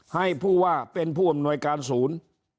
ให้ผู้ว่าเป็นผู้อำนวยการศูนย์